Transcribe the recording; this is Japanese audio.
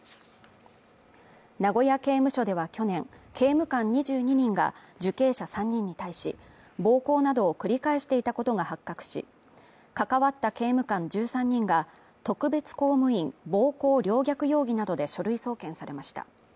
名古屋刑務所では去年、刑務官２２人が受刑者３人に対し、暴行などを繰り返していたことが発覚し、関わった刑務官１３人が、特別公務員暴行陵虐容疑などで書類送検されました。